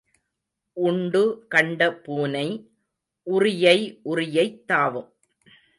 உண்டு கண்ட பூனை உறியை உறியைத் தாவும்.